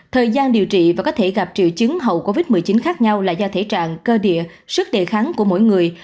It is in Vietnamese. thời gian điều trị và có thể gặp triệu chứng hậu covid một mươi chín khác nhau là do thể trạng cơ địa sức đề kháng của mỗi người